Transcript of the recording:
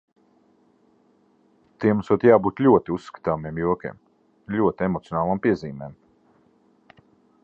Tiem esot jābūt ļoti uzskatāmiem jokiem, ļoti emocionālām piezīmēm.